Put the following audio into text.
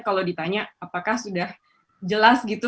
kalau ditanya apakah sudah jelas gitu